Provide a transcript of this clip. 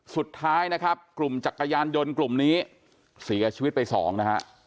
สุดท้ายนะครับกลุ่มจักรยานยนต์กลุ่มนี้เสียชีวิตไปสองนะฮะ